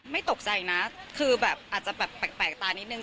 ไม่ตกใจนะคือแบบอาจจะแบบแปลกตานิดนึง